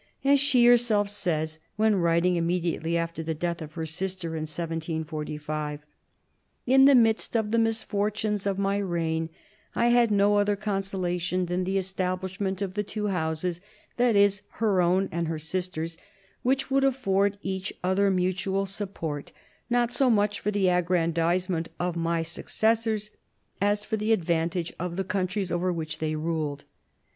As she herself says, when writing immediately after the death of her sister in c 1745 : "In the midst of the misfortunes of my reign, I had no other consolation than the establishment of the V two Houses [that is, her own and her sister's], which * would afford each other mutual support, not so much for the aggrandisement of my successors, as for the advantage of the countries over which they ruled."